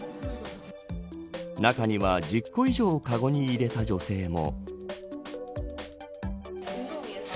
中には１０個以上かごに入れた女性も。